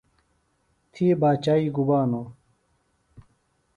تھی باچائی گُبا نو؟